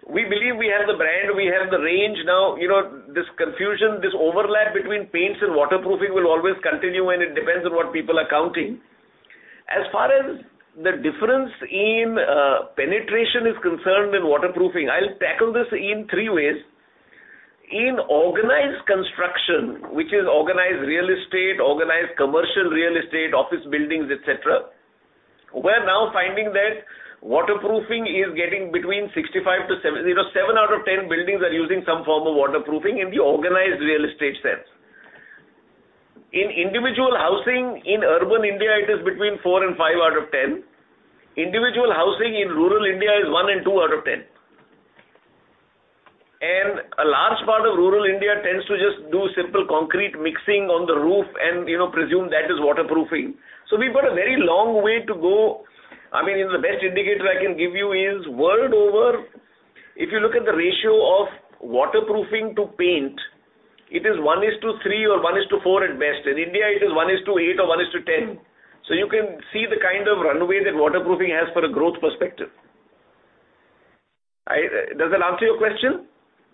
We believe we have the brand, we have the range now. You know, this confusion, this overlap between paints and waterproofing will always continue, and it depends on what people are counting. As far as the difference in penetration is concerned in waterproofing, I'll tackle this in three ways. In organized construction, which is organized real estate, organized commercial real estate, office buildings, et cetera, we're now finding that waterproofing is getting between 65-70-- you know, seven out of 10 buildings are using some form of waterproofing in the organized real estate sense. In individual housing in urban India, it is between four and five out of 10. Individual housing in rural India is one and two out of 10. A large part of rural India tends to just do simple concrete mixing on the roof and, you know, presume that is waterproofing. We've got a very long way to go. I mean, the best indicator I can give you is, world over, if you look at the ratio of waterproofing to paint, it is one is to three or one is to four at best. In India, it is one is to eight or one is to 10. You can see the kind of runway that waterproofing has for a growth perspective. Does that answer your question?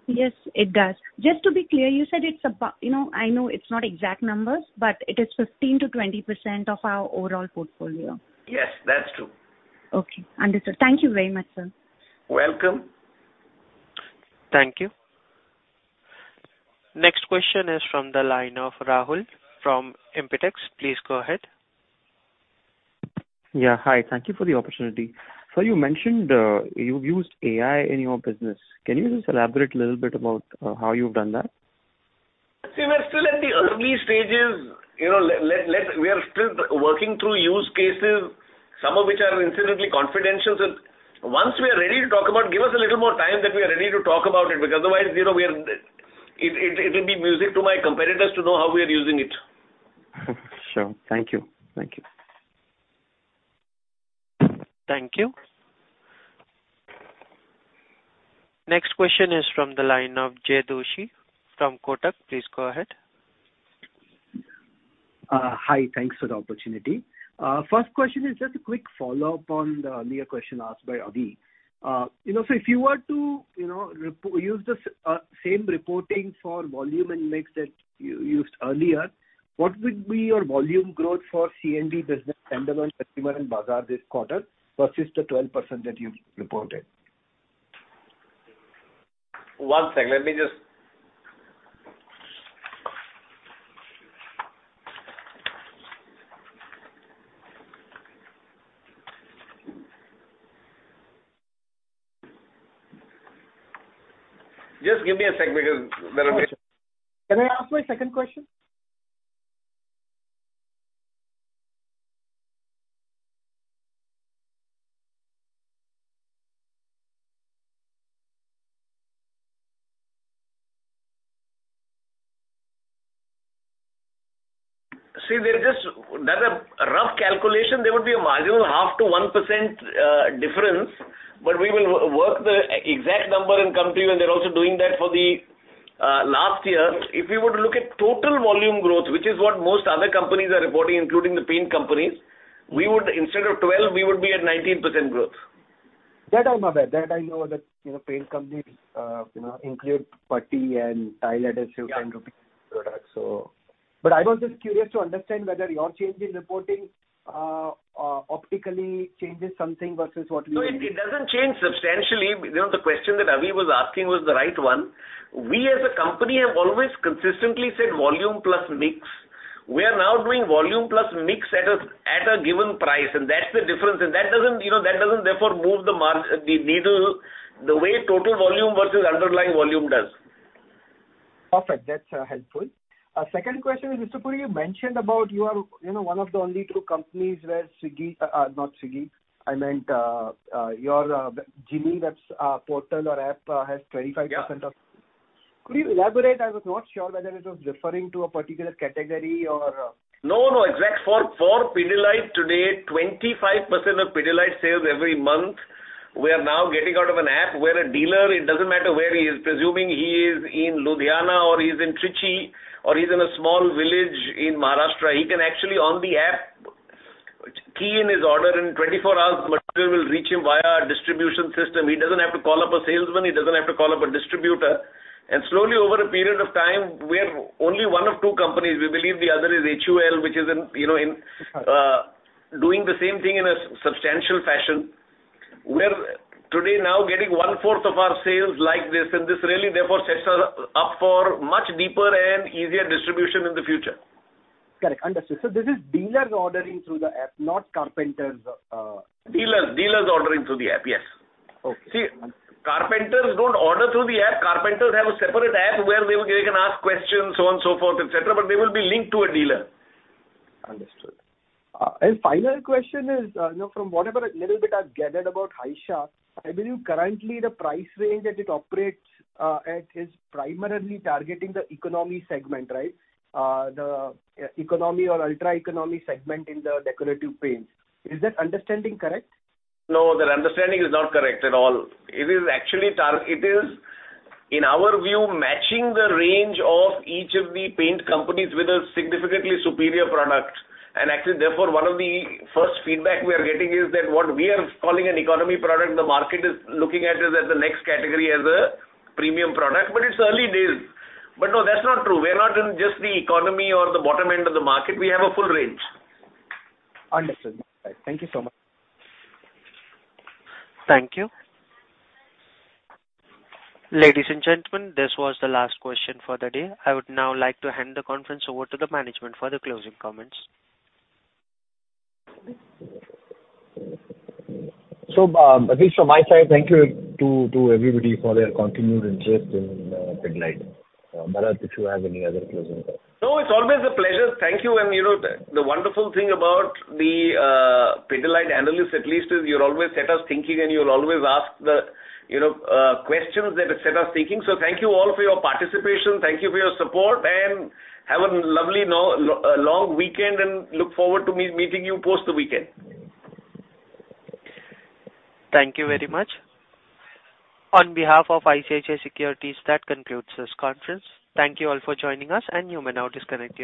Yes, it does. Just to be clear, you said it's about... You know, I know it's not exact numbers, but it is 15%-20% of our overall portfolio. Yes, that's true. Okay, understood. Thank you very much, sir. Welcome. Thank you. Next question is from the line of Rahul from Impetux. Please go ahead. Yeah, hi. Thank you for the opportunity. Sir, you mentioned, you've used AI in your business. Can you just elaborate a little bit about, how you've done that? See, we're still at the early stages. You know, we are still working through use cases, some of which are incidentally confidential. Once we are ready to talk about, give us a little more time that we are ready to talk about it, because otherwise, you know, it will be music to my competitors to know how we are using it. Sure. Thank you. Thank you. Thank you. Next question is from the line of Jay Doshi from Kotak. Please go ahead. Hi, thanks for the opportunity. First question is just a quick follow-up on the earlier question asked by Avi. you know, so if you were to, you know, use the same reporting for volume and mix that you used earlier, what would be your volume growth for C&B business standalone Consumer and Bazaar this quarter, versus the 12% that you've reported? One second, let me just... Just give me a second because there are- Can I ask my second question? See, they're just. That's a rough calculation. There would be a marginal 0.5%-1% difference, but we will work the exact number and come to you. They're also doing that for the last year. If you were to look at total volume growth, which is what most other companies are reporting, including the paint companies, we would, instead of 12, we would be at 19% growth. That I'm aware. That I know that, you know, paint companies, you know, include putty and tile adhesive... Yeah. roofing products. ... I was just curious to understand whether your change in reporting optically changes something versus what we- No, it, it doesn't change substantially. You know, the question that Avi was asking was the right one. We, as a company, have always consistently said volume plus mix. We are now doing volume plus mix at a, at a given price, and that's the difference. That doesn't, you know, that doesn't therefore move the needle the way total volume versus underlying volume does. Perfect. That's helpful....Second question is, Mr. Puri, you mentioned about you are, you know, one of the only two companies where Ciggy, not Ciggy, I meant, your [Jimmy], that's portal or app, has 25% of- Yeah. Could you elaborate? I was not sure whether it was referring to a particular category or. No, no, exact. For, for Pidilite today, 25% of Pidilite sales every month, we are now getting out of an app where a dealer, it doesn't matter where he is, presuming he is in Ludhiana or he's in Trichy, or he's in a small village in Maharashtra, he can actually on the app, key in his order, and 24 hours, material will reach him via our distribution system. He doesn't have to call up a salesman. He doesn't have to call up a distributor. Slowly, over a period of time, we are only one of two companies. We believe the other is HUL, which is in, you know. Right. doing the same thing in a substantial fashion. We're today now getting 1/4 of our sales like this, and this really therefore sets us up for much deeper and easier distribution in the future. Correct. Understood. This is dealers ordering through the app, not carpenters? Dealers, dealers ordering through the app, yes. Okay. See, carpenters don't order through the app. Carpenters have a separate app where they can ask questions, so on, so forth, et cetera, but they will be linked to a dealer. Understood. Final question is, you know, from whatever little bit I've gathered about Haisha, I believe currently the price range that it operates, at, is primarily targeting the economy segment, right? The e-economy or ultra economy segment in the decorative paints. Is that understanding correct? No, that understanding is not correct at all. It is actually, in our view, matching the range of each of the paint companies with a significantly superior product. Actually, therefore, one of the first feedback we are getting is that what we are calling an economy product, the market is looking at it as the next category, as a premium product, but it's early days. No, that's not true. We're not in just the economy or the bottom end of the market. We have a full range. Understood. Thank you so much. Thank you. Ladies and gentlemen, this was the last question for the day. I would now like to hand the conference over to the management for the closing comments. At least from my side, thank you to, to everybody for their continued interest in Pidilite. Bharat, if you have any other closing comments? No, it's always a pleasure. Thank you. You know, the, the wonderful thing about the Pidilite analysts at least, is you always set us thinking and you always ask the, you know, questions that set us thinking. Thank you all for your participation. Thank you for your support, and have a lovely long weekend, and look forward to meeting you post the weekend. Thank you very much. On behalf of ICICI Securities, that concludes this conference. Thank you all for joining us, and you may now disconnect your lines.